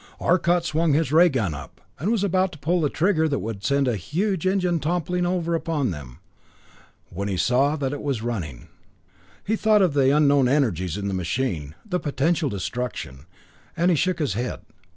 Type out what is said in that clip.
Arcot swung his ray up, and was about to pull the trigger that would send the huge engine toppling over upon them, when he saw that it was running. He thought of the unknown energies in the machine, the potential destruction, and he shook his head.